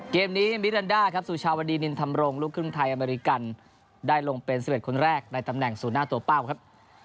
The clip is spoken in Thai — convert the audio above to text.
เกมนี้มิรันดาครับสุชาวดีนินธรรมรงลูกครึ่งไทยอเมริกันได้ลงเป็น๑๑คนแรกในตำแหน่งสู่หน้าตัวเป้าครับ